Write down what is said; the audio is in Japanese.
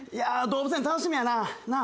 動物園楽しみやな。なぁ。